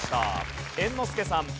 猿之助さん。